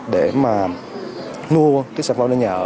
để mà nua cái sản phẩm nơi nhà ở